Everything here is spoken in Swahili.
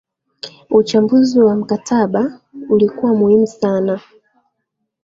uchambuzi wa mkataba ulikuwa muhimu sana